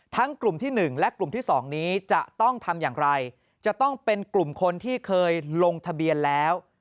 กลุ่มที่๑และกลุ่มที่๒นี้จะต้องทำอย่างไรจะต้องเป็นกลุ่มคนที่เคยลงทะเบียนแล้ว